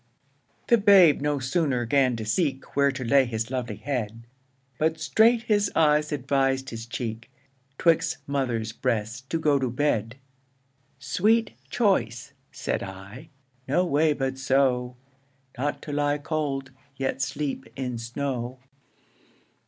The babe no sooner 'gan to seek Where to lay his lovely head, But straight his eyes advis'd his cheek, 'Twixt mother's breasts to go to bed. Sweet choice (said I) no way but so, Not to lie cold, yet sleep in snow.